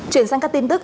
chuyển sang các tin tức